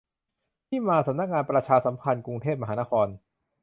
ที่มา : สำนักงานประชาสัมพันธ์ กรุงเทพมหานคร